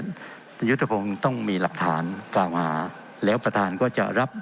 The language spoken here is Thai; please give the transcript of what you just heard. ท่านยุติภงษ์ต้องมีหลักฐานกล่าวมาแล้วประทานก็จะรับ